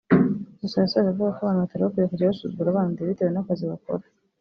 Gusa yasoje avuga ko abantu batari bakwiye kujya basuzugura abandi bitewe n’akazi bakora